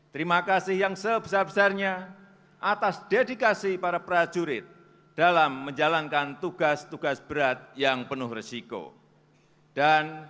terima kasih yang sebesar besarnya atas profesionalisme tni yang terus meningkat